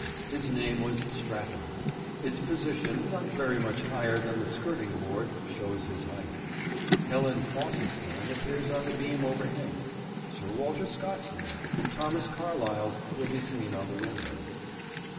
His name was Stratton. Its position, not very much higher than the skirting board, shows his height. Helen Faucit's name appears on the beam overhead. Sir Walter Scott's name, and Thomas Carlyle's will be seen on the window."